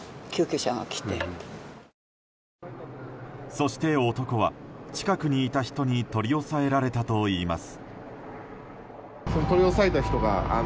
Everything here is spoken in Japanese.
そして男は近くにいた人に取り押さえられたといいます。